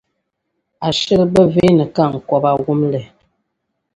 Ashili bi veeni ka 'N-ku-ba' wum li.